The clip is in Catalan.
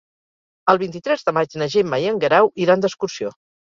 El vint-i-tres de maig na Gemma i en Guerau iran d'excursió.